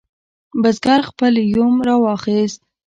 بزګر خپل یوم راواخست.